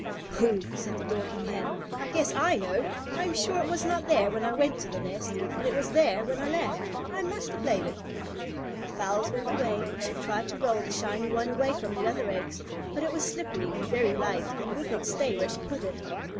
"Pooh!" said the Dorking Hen. "I guess I know! I am sure it was not there when I went to the nest and it was there when I left. I must have laid it." The fowls went away, and she tried to roll the shiny one away from the other eggs, but it was slippery and very light and would not stay where she put it.